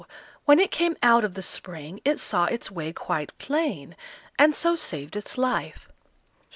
when it came out of the spring it saw its way quite plain, and so saved its life.